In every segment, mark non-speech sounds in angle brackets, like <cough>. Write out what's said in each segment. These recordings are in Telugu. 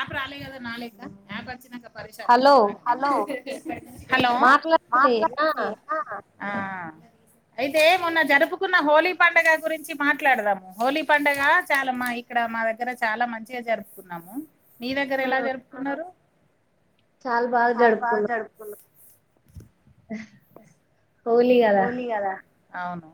ఆప్ రాలేదు కదా నాలెక్క ఆప్ వచ్చకా పరేషాన్ ఐదాం హలో మాట్లాదండి హ ఆ అయితే మొన్న జరుపుకున్న హోలీ పంండగ గురించి మాట్లాడదాము హోలీ పండుగ చాలమ్మా ఇక్కడ ఇక్కడ మా దగ్గర చాలా మంచిగా జరుపుకున్నాము మీ దగ్గర ఎలా జరుపుకున్నారు చాలా బాగా జరుపుకున్నాము హోలీగాదా అవును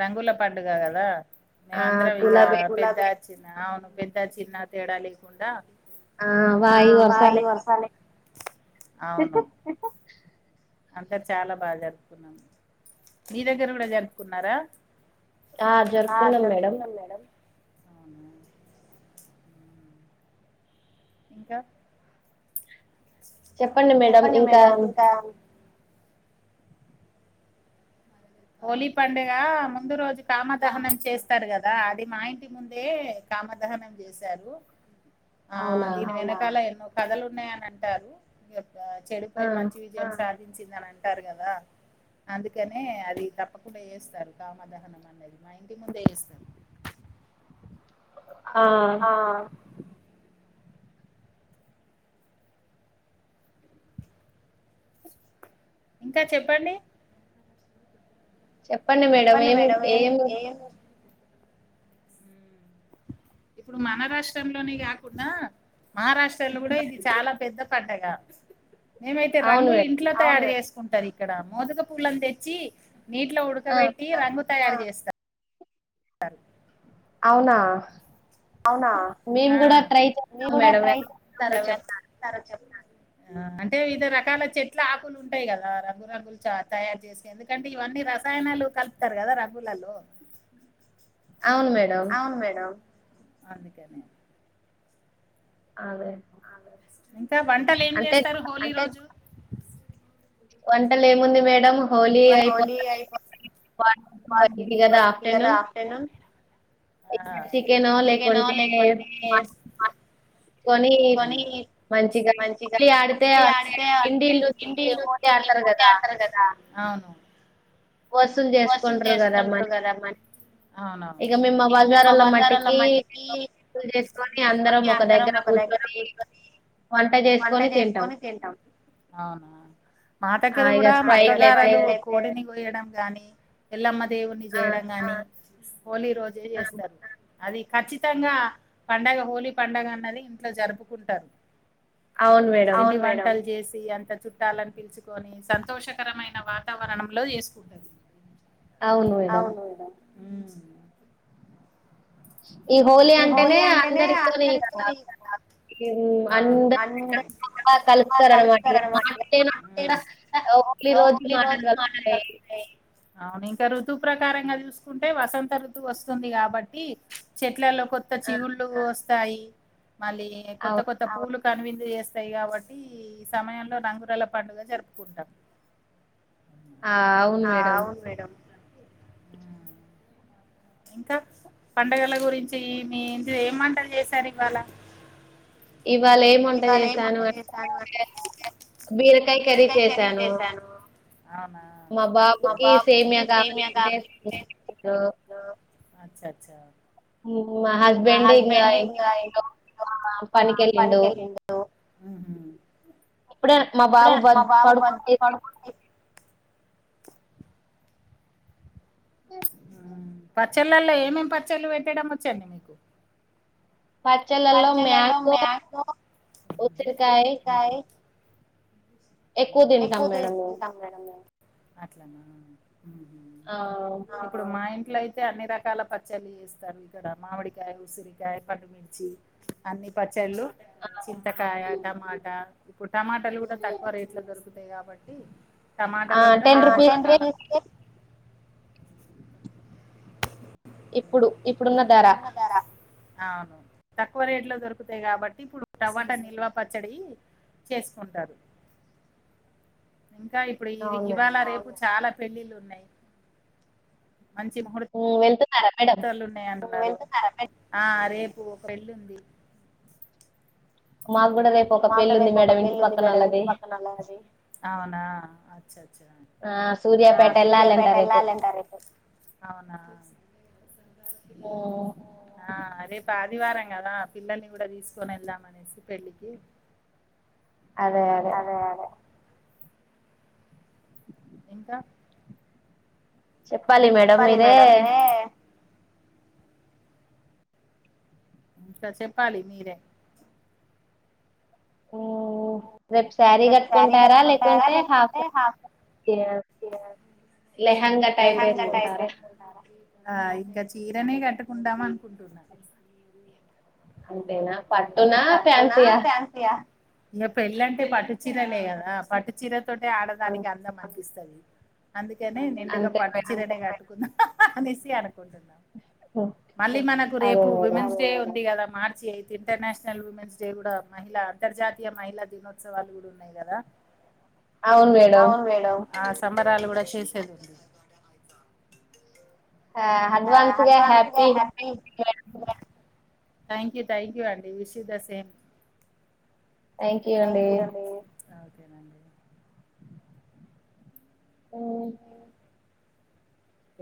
రంగుల పండుగ కదా మేమ అందరం ఇద కుల బ్యాచ్ అవును పెద్ద చిన్న తేడా లేకుండా వాయి వర్సాల అవును అందరు చాలా బాగా జరుపుకున్నాం మీ దగ్గర కూడా జరుపుకున్నారా ఆ జరుపుకున్నాం మేడం ఇంకా చెప్పండి మేడం ఇంకా హోలీ పండుగ ముందు రోజు కామ దహనం చేస్తారు కదా అది మా ఇంటి ముందే కామదహనం చేశారు ఆ దీని వెనకాల ఎన్నో కథలు ఉన్నాయని అంటారు చెడుపై మంచి విజయం సాధించిందిని అంటారు కదా అందుకనే అది తప్పకుండా చేస్తారు కామదహనం అన్నది మా ఇంటి ముందే వస్తారు ఆ ఇంకా చెప్పండి చెప్పండి మేడం ఏం ఏం ఇప్పుడు మన రాష్ట్రంలోని కాకుడా మహారాష్ట్రలో కూడా ఇది చాలా పెద్ద పండగ మేమైతే రంగులు ఇంట్లో తయారు చేసుకుంటారు ఇక్కడ మోదక పూలలను తెచ్చి నీటిలో ఉడకబెట్టి రంగు తయారు చేస్తారు అవునా అవునా న కూడా ట్రై చేసాం ఆ అంటే వివిధ రకాల చెట్ల ఆకులు ఉంటాయి కదా రంగురంగులు చ తయారు చేసు ఉంటారు ఎందుకంటే ఇవన్నీ రసాయనలు కలుపుతారు కదా రఘులలు అవును మేడం అందుకేనే అదే ఇంకా వంటలు ఏం చేస్తారు హోలీ రోజు వంటలు ఏముంది మేడం హలీ అయిపో కదా ఆఫ్టర్నూన్ ఇకా చికెన్ లేకుంటే కొనీ మంచిగా హోలి ఆడితే అంటే ఇండి ఇల్లు తి హోలి ఆడతారు కదా అవును కోసం చేసుకుంటరు కదామ్ మ అవునవును ఇక మమ్ బజారాల మట్కి చేసుకని అందరం ఒక దగ్గర కూర్చొని వంట చేసుకొని తింటాం మా దగ్గర కూడా మక్కగారులు కోడిని పోయడం గాని ఎల్లమ్మ దేవుని చేయడం గాని హోలీ రోజే చేస్తారు అది ఖచ్చితంగా పండగ హోలీ పడుగ అన్నది ఇంట్లో జరుపుకుంటారు కొన్ని వంటలు చేసి అంత చుట్టాలని పిలుచుకొని సంతోషకరమైన వాతావరణంలో చేసుకుంటది అవును మేడం అ ఈ హోళ అంటేనే అందరికినే ఇద అందా కలుార లీ రోజు మాట కలుాయి అవును ఇంకా ఋతు ప్రకారంగా చూసుకుంటే వసంత ఋతువు వస్తుంది కాబట్టి చెట్లలో కొత్త చివుళ్ళు వస్తాయి మళ్ళీ కొత్త కొత్త పూలు కనువిందు చేస్తాయి కాబట్టి ఈ సమయంలో రంగురల పండుగ జరుపుకుంటాం ఆ అవును మేడం ఇంకా పండగల గురించి మీ ఇ ఏం మంటలు చేశారు ఇవాళ ఇవాళ ఏం వంట చేసాను అంటే బీరకాయ కర్రీ చేసాను అనా మా బాబుకి సేమే కావలి అంటే అచ్చా అచ్చా మా హస్బెండ్ ఇ పనికెళ్ళిండు ఆహ ఎప్పుడే మా బాబు బ పడుకో పచ్చళ్ళలో ఏమేం పచ్చళ్ళు పెట్టేయడం వచ్చండి మీకు పచలలో మ్యాకాయి ఎక్కువ తింటాం మేడము అట్లనా అప్పుడు మా ఇం ఇట్ల అయితే అన్ని రకాల పచ్చళ్ చేస్తారు ఇక్కడ మామిడికాయ ఉసిరికాయ పంమిర్చి అన్ని ప చెల్లుు చింతకాయ టమాటా ఇప్పుడు టమాటలు కూడా తగ రేట్లో దొరుకుతాయి కాబట్టి టమాటలు కూడా ఇప్పుడు ఇప్పుడున్న ధర అవును తక్కువ రేట్ లో దొరుకుతాయి కాబట్టి ఇప్పుడు టమాటా నిల్వ పచ్చడి చేసుకుంటారు ఇంకా ఇప్పుడు ఇది ఇవాళ రేపు చాలా పెళ్ళిళ్ళు ఉన్నాయి మంచి ముహూర్త జతాలుు ఉన్నాయింట ఆ రేపు ఒక పెళ్ళుంది మాకు కూడా రేపు ఒక పెళ్ళి ఉంది మేడం ఇంటి పక్కన ఓలాది అవునా ఆ సూర్యాపేట ఎల్లాలంట రేపు ఆ అదే ప దివారం కదా పిల్లల్ని కూడా తీసుకొని వెళ్దాంనేసి పెళ్ళికి అదే అదే ఇంకా చెప్పాలి మేడం మీరే ఇంకా చెప్పాలి మీరే ఓ రపు శారీ కట్టుకుంటారా లేకుంటే హాఫ్ ఆ ఇంకా చీరానే కట్ కుందమాన్ అనుకుంటున్నా ఆ పట్టున ఫ్యాన్సియా ఇక పెళ్ళంటే పట్టు చీరనే కదా పట్టు చీర తోటే ఆడదానికి అందం అనిపిస్తది అందుకనే నిండుగా పాటు చిరనే కట్టుకుందా హా హా అనేసి అన మళ్ళీ మనకు రేపు విమెన్స్ డే ఉంది కదా మార్చి ఇంటర్నేషనల్ ఉమెన్స్ డే కూడా మహిళ అంతర్జాతీయ మహిళా దినోత్సవాలు కూడా ఉన్నాయి కదా అవును మేడం ఆ సంబరాలు కూడా చేసేది ఆ అడ్వాన్స్గా happy women's day madam thank you thank you అండి wish you the same thank you అండి ఊ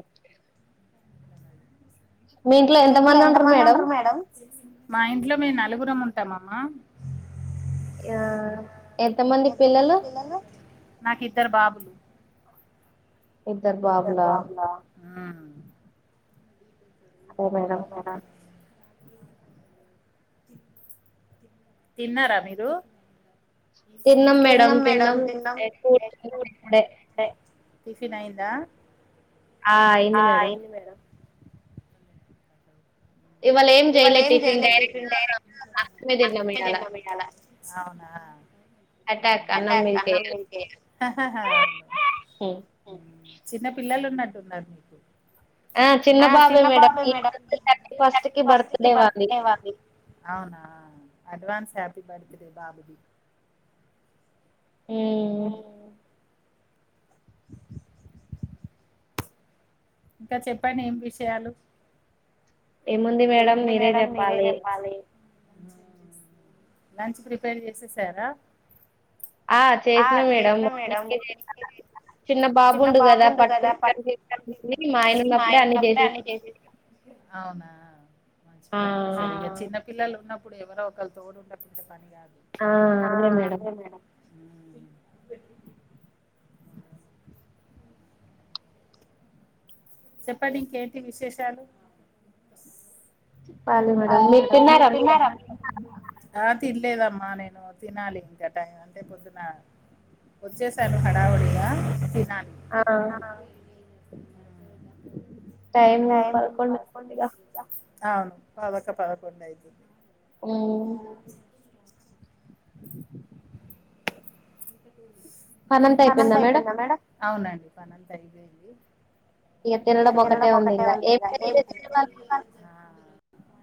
ఒకే మీ ఇంట్లో ఎంత మంది ఉంటారు మేడం మా ఇంట్లో మేము నలుగురం ఉంటాం అమ్మా యా ఎంతమంది పిల్లలు నాకిద్దరు బాబు ఇద్దరు బాబుల ఓహోన తిన్నారా మీరు తిన్నాం మేడం తిన్నాం ఎగ్ బుర్జీ <unintelligible> టిఫిన్ అయిందా ఆ అయింది మేడం ఇవాళ ఏం జయలే టీఫిన్ డైరెక్ట్ లుంచే తింటాం ఇయల అవునా ఆటా అన్నం తింటే హా హా అవునా ఉ చిన్న పిల్లలు ఉన్నట్టున్నారు మీకు ఆ చిన్న బాబే మేడం <unintelligible> థర్టీ ఫస్ట్కి అవునా అడ్వాన్స్ హ్యాపీ బర్త్డే బాబుకి ఇంకా చెప్పండి ఏం విషయాలు ఏముంది మేడం మీరే చెప్పాలి లంచ్ ప్రిపేర్ చేసేసారా ఆ చేసిన మేడం మార్నింగ్ ఏ చేసా చిన్న బాగుండు కదా పట్టుకునే <unintelligible> మా ఆయన ఉన్నప్పుడే అన్ని చేసే అవునా హా చిన్న పిల్లలు ఉన్నప్పుడు ఎవరో ఒకళ్రు తోడు ఉంటే పని కాదు ఆ అదే మేడం చెప్పండి ఇంకేంటి విశేషాలు అవునా మేడం త లేదమ్మా నేను తినాలి ఇంకా టైం అంటే పొద్దున వచ్చేసాను హడావిడిగా తినాలి అవును పావుతక్కువ పదకొండు. మ్ పనంతా అయిపోయిందా మేడం? అవునండి, పనంతా అయిపోయింది. తినడము ఒకటే ఉంది ఇగ ఏం చేసినారు?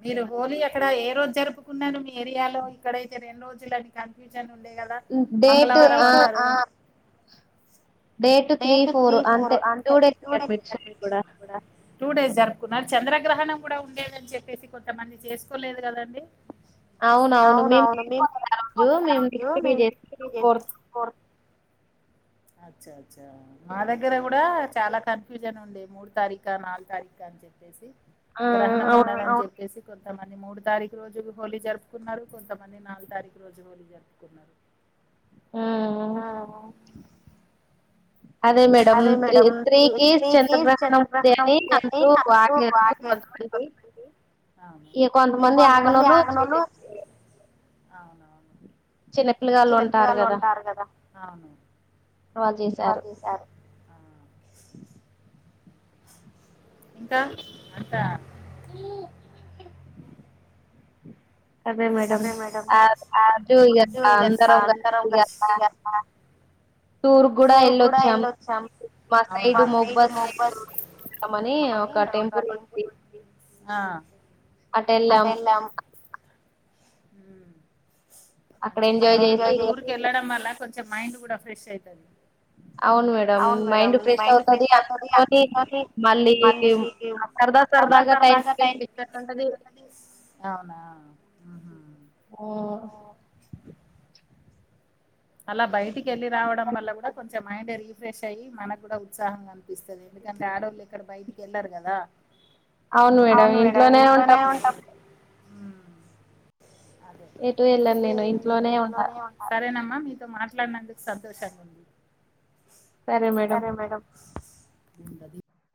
మీరు హోలీ అక్కడ ఏ రోజు జరుపుకున్నారు. మీ ఏరియాలో ఇక్కడైతే రెండు రోజులుని కన్ఫ్యూజన్. మంగళవారం డేట్ త్రీ ఫోర్ అంతే two days madam. Two days జరుపుకున్నారు. చంద్రగ్రహణం కూడా ఉండేదని చెప్పేసి కొంతమంది చేసుకోలేదు కదండి. అవునవును మేము <unintelligible> కోన్ <inaudible> మా దగ్గర కూడా చాలా కన్ఫ్యూజన్ ఉంది. మూడోతారీకా, నాలుగోతారీకా అని గ్రహణం ఉన్నదని చెప్పేసి. కొంతమంది మూడోతారీఖు రోజు హోలీ జరుపుకున్నారు. కొంతమంది నాలుగో తారీఖు రోజు హోలీ జరుపుకున్నారు. మ్ అదే మేడం త్రీ త్రీకిి చంద్రగ్రహణం ఉంది అని అందరూ ఆగారు. అగతే <unintelligible> అవును ఇ కొంతమంది ఆగనోళ్లు చిన్నపిలలు ఉంటారు కదా! అవును. వాళ్ళు చేశారు. ఇంకా అంత ఈ అదే మేడం ఇక అందరం టూర్ కూడా వెళ్ళొచ్చాం మా సైడ్ మొబ్బ సైడ్ మని ఒక టెంపుల్ ఉంది. ఆ అటెల్లాం అక్కడ ఎంజాయ్ చేసి ఊరికి వెళ్ళడం వళ్ళ కొంచెం మైండ్ కూడా ఫ్రెష్ అవుతాది. అవును మేడం మైండ్ ఫ్రెష్ అవుతాది. అందు లోని మళ్ళీ అ సరదా సరదాగా బాగా టైమ్ స్పెండ్ చేసైనాట్లుంటది. అవునా మ్ అలా బయటికి వెళ్ళి రావడం వల్ల కూడా కొంచెం మైండ్ రీఫ్రెష్ అయ్యి మనకు కూడా ఉత్సాహంగా అ నిపిస్తుంది. ఎందుకంటే ఆడోళ్ళు ఇక్కడ బయటికి వెళ్లరు కదా అవును మేడం ఇంట్లోనే ఉంటాం. సరేనమ్మా ఆ మీతో మాట్లాడినందుకు సంతోషంగా ఉంది. సరే మేడం. <inaudible>